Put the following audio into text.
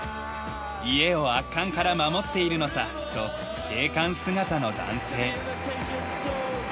家を悪漢から守っているのさと警官姿の男性。